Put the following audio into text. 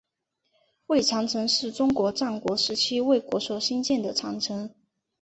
魏长城是中国战国时期魏国所兴建的长城。